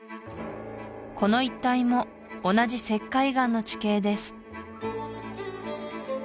この一帯も同じ石灰岩の地形です